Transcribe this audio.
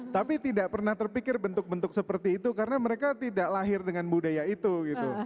tapi tidak pernah terpikir bentuk bentuk seperti itu karena mereka tidak lahir dengan budaya itu gitu